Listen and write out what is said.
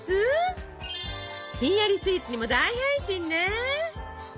ひんやりスイーツにも大変身ね！